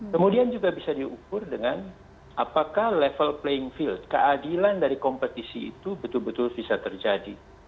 kemudian juga bisa diukur dengan apakah level playing field keadilan dari kompetisi itu betul betul bisa terjadi